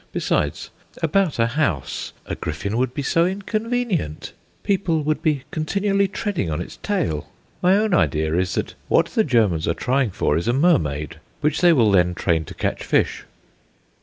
Besides, about a house, a griffin would be so inconvenient: people would be continually treading on its tail. My own idea is that what the Germans are trying for is a mermaid, which they will then train to catch fish.